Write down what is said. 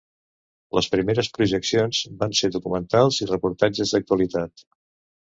Les primeres projeccions van ser documentals i reportatges d'actualitat.